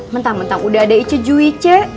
mentang mentang udah ada icu icu